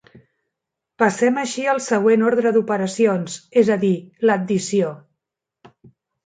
Passem així al següent ordre d'operacions, és a dir, l'addició.